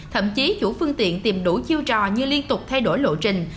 thậm chí chủ phương tiện tìm đủ chiêu trò như liên tục thay đổi lộ trình